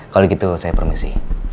kalau gitu saya permisi